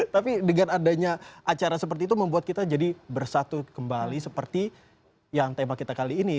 tapi dengan adanya acara seperti itu membuat kita jadi bersatu kembali seperti yang tema kita kali ini